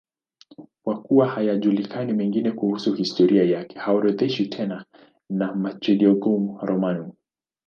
Kwa kuwa hayajulikani mengine kuhusu historia yake, haorodheshwi tena na Martyrologium Romanum.